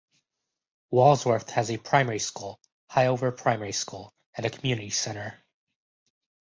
Walsworth has a primary school - Highover Primary School - and a community centre.